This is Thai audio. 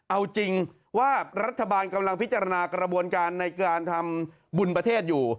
เอาจริงว่ารัฐบาลกำลังพิจารณากระบวนการในการทำบุญประเทศอยู่